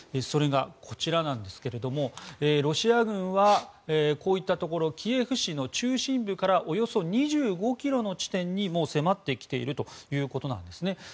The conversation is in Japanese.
それがこちらなんですがロシア軍はこういったところキエフ市の中心部からおよそ２５ｋｍの地点にもう迫ってきているということなんですね。